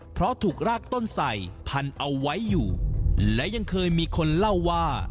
เพราะถูกรากต้นใส่พันเอาไว้อยู่และยังเคยมีคนเล่าว่า